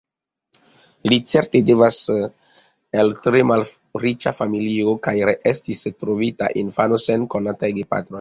Li certe devenas el tre malriĉa familio, kaj estis trovita infano sen konataj gepatroj.